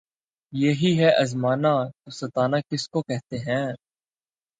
یہی ہے آزمانا‘ تو ستانا کس کو کہتے ہیں!